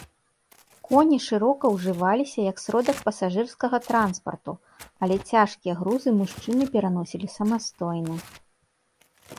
Коні шырока ўжываліся як сродак пасажырскага транспарту, але цяжкія грузы мужчыны пераносілі самастойна.